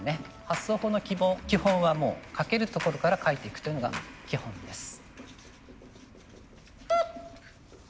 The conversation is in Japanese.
発想法の基本はもう書けるところから書いていくというのが基本です。